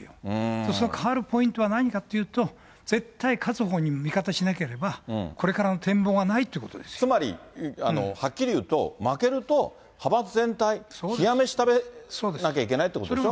その変わるポイントは何かというと、絶対勝つ方に味方しなければ、これからの展望がないということでつまり、はっきり言うと、負けると、派閥全体、冷や飯食べなきゃいけないということでしょ？